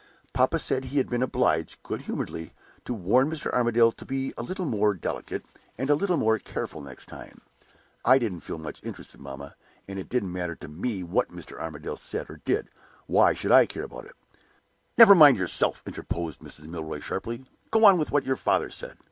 Papa said he had been obliged, good humoredly, to warn Mr. Armadale to be a little more delicate, and a little more careful next time. I didn't feel much interested, mamma; it didn't matter to me what Mr. Armadale said or did. Why should I care about it?" "Never mind yourself," interposed Mrs. Milroy, sharply. "Go on with what your father said.